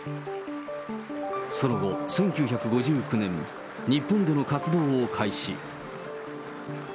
その後、１９５９年、日本での活動を開始。